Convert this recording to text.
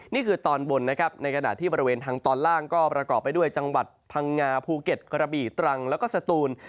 นี่คือตอนบนนะครับในขณะที่บริเวณทางตอนล่างก็ประกอบไปด้วยจังหวัดพังงาภูเก็ตกระบี่ตรังแล้วก็สตูน